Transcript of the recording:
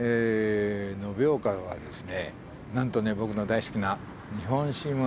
延岡はですね